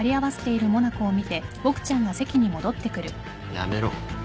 やめろ。